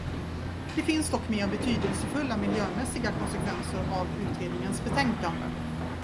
Det finns dock mer betydelsefulla miljömässiga konsekvenser av utredningens betänkande.